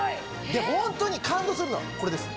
でホントに感動するのはこれです。